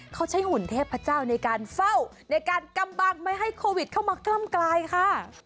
เขาใช้หุ่นเทพเจ้าในการเฝ้าในการกำบังไม่ให้โควิดเข้ามากล้ำกลายค่ะ